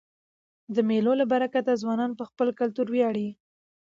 د مېلو له برکته ځوانان په خپل کلتور وياړي.